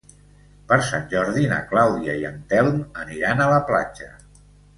Per Sant Jordi na Clàudia i en Telm aniran a la platja.